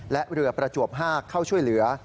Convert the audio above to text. และเรือประจวบ๕เข้าช่วยเหลือ